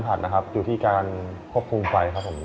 การผัดอยู่ที่การควบคุมไฟครับผม